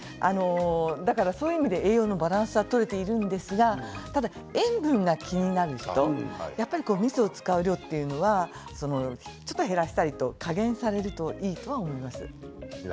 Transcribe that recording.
だから、そういう意味で栄養のバランスは取れているんですがただ塩分が気になるそうするとみそを使う量というのはちょっと減らしたり加減されるといいと思うんです。